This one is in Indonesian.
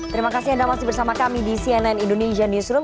terima kasih anda masih bersama kami di cnn indonesia newsroom